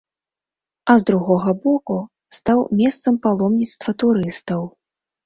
А з другога боку, стаў месцам паломніцтва турыстаў.